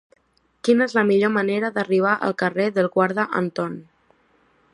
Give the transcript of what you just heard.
Quina és la millor manera d'arribar al carrer del Guarda Anton?